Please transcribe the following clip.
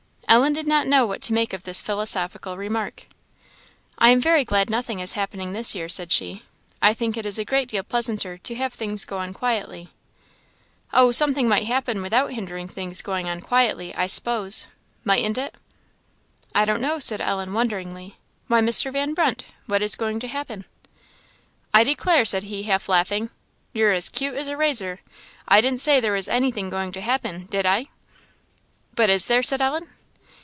Ellen did not know what to make of this philosophical remark. "I am very glad nothing is happening this year," said she; "I think it is a great deal pleasanter to have things go on quietly." "Oh, something might happen without hindering things going on quietly, I s'pose mightn't it?" "I don't know," said Ellen, wonderingly. "Why, Mr. Van Brunt, what is going to happen?" "I declare," said he, half laughing, "you're as 'cute as a razor; I didn't say there was anything going to happen, did I?" "But is there?" said Ellen.